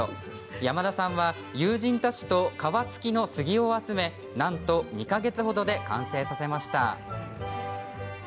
山田さんは、友人たちと皮付きの杉を集め、なんと２か月ほどで完成させました。